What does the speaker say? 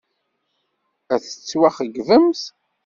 Ad tettwaxeyybemt.